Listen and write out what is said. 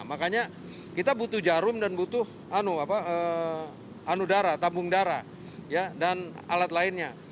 makanya kita butuh jarum dan butuh anu darah tabung darah dan alat lainnya